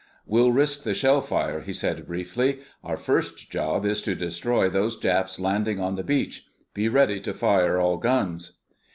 "We'll risk the shell fire," he said briefly. "Our first job is to destroy those Japs landing on the beach. Be ready to fire all guns."